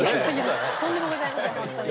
とんでもございませんホントに。